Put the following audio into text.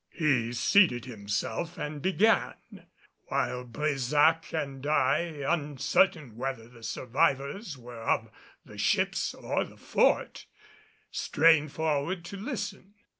He seated himself and began, while Brésac and I, uncertain whether the survivors were of the ships or of the fort, strained forward to listen.